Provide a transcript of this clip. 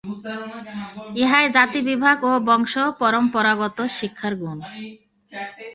ইহাই জাতিবিভাগ ও বংশপরম্পরাগত শিক্ষার গুণ।